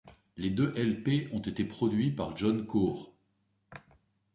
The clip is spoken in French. Les deux Lp ont été produits par John Court.